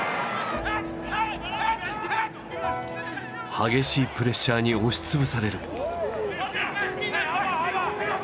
激しいプレッシャーに押し潰される。